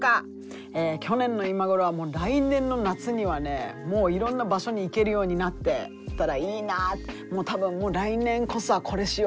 去年の今頃は来年の夏にはねもういろんな場所に行けるようになってたらいいな多分来年こそはこれしよう